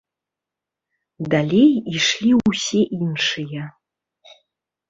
Далей ішлі ўсе іншыя.